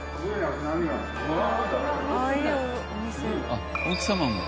「あっ奥様も」